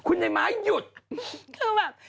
คุณไอ้ไม้หยุดคือแบบ